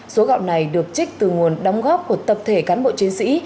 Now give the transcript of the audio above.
số gạo này được trích từ nguồn đóng góp của tập thể cán bộ chiến sĩ